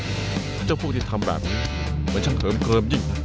ท่านเจ้าผู้ที่ทำแบบนี้เหมือนความเขิมเกลิมยิ่ง